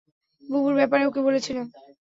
বুবুর ব্যাপারে ওকে বলছিলাম।